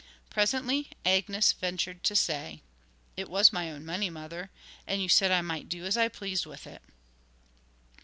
Presently Agnes ventured to say: 'It was my own money, mother, and you said I might do as I pleased with it.'